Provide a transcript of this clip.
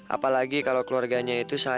apalagi kalau keluarganya itu sayang dan peninggalan